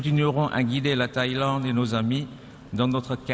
คิดปัญญาเศรษฐกิจพอบเทียนนะครับ